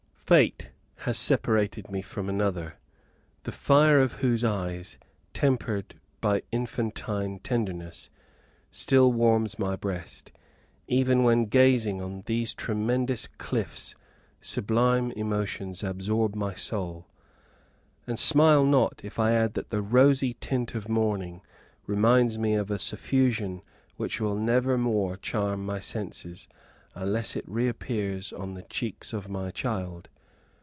Fate has separated me from another, the fire of whose eyes, tempered by infantine tenderness, still warms my breast; even when gazing on these tremendous cliffs sublime emotions absorb my soul. And, smile not, if I add that the rosy tint of morning reminds me of a suffusion which will never more charm my senses, unless it reappears on the cheeks of my child.